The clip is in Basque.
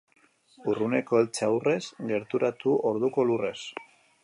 Urruneko eltzea urrez, gerturatu orduko lurrez.